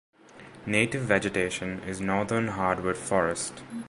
Native vegetation is northern hardwood forest.